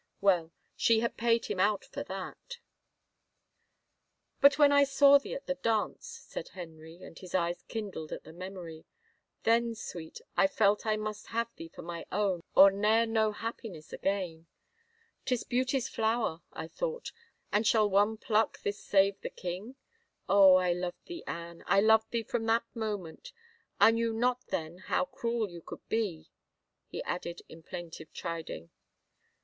Well, she had paid him out for that !" But when I saw thee at the dance," said Henry, and his eyes kindled at the memory, " then. Sweet, I felt I must have thee for my own or ne'er know happiness again. 'Tis beauty's flower, I thought, and shall one pluck this save the king? ... Oh, I loved thee, Anne, I loved thee from that moment. I knew not then how cruel you could be," he added in plaintive chiding.